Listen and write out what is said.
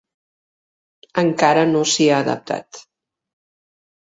Encara no s'hi ha adaptat.